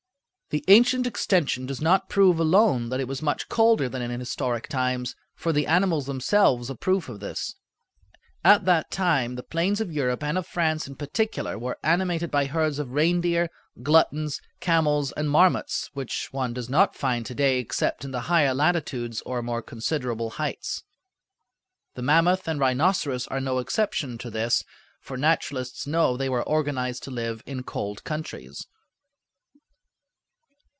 The ancient extension does not prove alone that it was much colder than in historic times, for the animals themselves are proof of this. At that time the plains of Europe, and of France in particular, were animated by herds of reindeer, gluttons, camels, and marmots, which one does not find to day except in the higher latitudes or more considerable heights. The mammoth and rhinoceros are no exception to this, for naturalists know they were organized to live in cold countries.